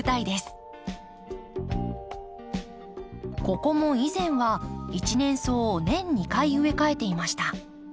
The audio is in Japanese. ここも以前は一年草を年２回植え替えていました。